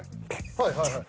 はいはいはい。